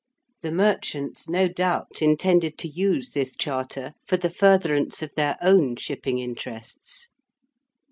The merchants, no doubt, intended to use this Charter for the furtherance of their own shipping interests.